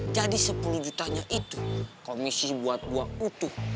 jadi sepuluh jutanya itu komisi buat buah utuh